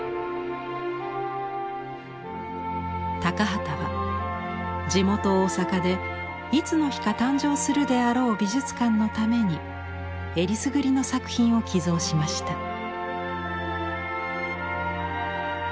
高畠は地元大阪でいつの日か誕生するであろう美術館のためにえりすぐりの作品を寄贈しました。